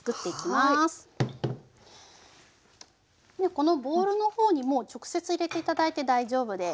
このボウルの方にもう直接入れて頂いて大丈夫です。